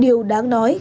điều đáng nói